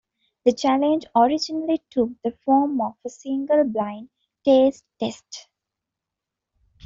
The challenge originally took the form of a single blind taste test.